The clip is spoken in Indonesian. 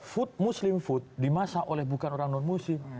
food muslim food dimasak oleh bukan orang non muslim